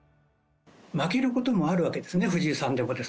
負けることもあるわけですね、藤井さんでも。